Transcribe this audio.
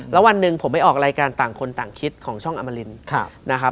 แล้ววันหนึ่งผมไปออกรายการต่างคนต่างคิดของช่องอมรินนะครับ